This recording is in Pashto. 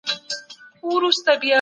تاسو د غريبانو سره مينه وکړئ.